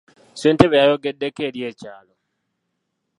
Ssentebe yayogeddeko eri ekyalo.